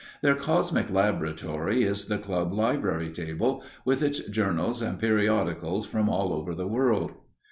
Their cosmic laboratory is the club library table, with its journals and periodicals from all over the world.